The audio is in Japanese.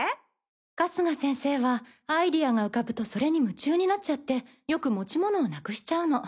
春日先生はアイディアが浮かぶとそれに夢中になっちゃってよく持ち物を失くしちゃうの。